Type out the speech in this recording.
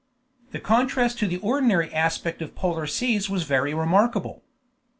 The contrast to the ordinary aspect of polar seas was very remarkable.